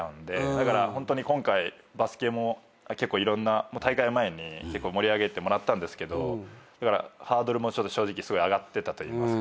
だから今回バスケも結構いろんな大会前に盛り上げてもらったんですけどハードルも正直すごい上がってたといいますか。